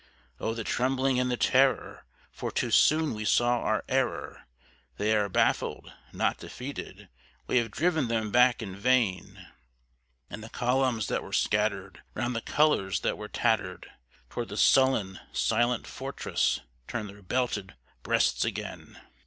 Oh the trembling and the terror! for too soon we saw our error: They are baffled, not defeated; we have driven them back in vain; And the columns that were scattered, round the colors that were tattered, Toward the sullen, silent fortress turn their belted breasts again.